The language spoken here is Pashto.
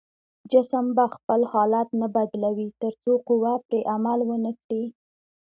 جسم به خپل حالت نه بدلوي تر څو قوه پرې عمل ونه کړي.